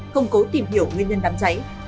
không cố tìm hiểu nguyên nhân đám cháy